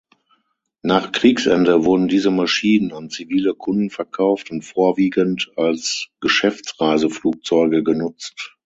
Nach Kriegsende wurden diese Maschinen an zivile Kunden verkauft und vorwiegend als Geschäftsreiseflugzeuge genutzt.